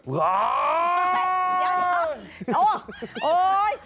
เฮ่ยยยยย